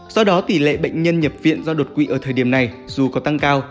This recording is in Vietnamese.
do đó tỷ lệ bệnh nhân nhập viện do đột quỵ ở thời điểm này dù có tăng cao